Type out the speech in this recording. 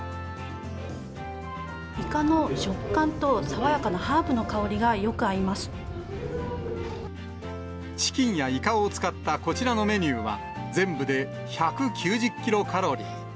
イカの食感と爽やかなハーブチキンやイカを使ったこちらのメニューは、全部で１９０キロカロリー。